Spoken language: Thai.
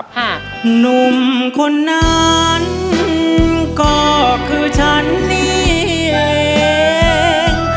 หากหนุ่มคนนั้นก็คือฉันนี่เอง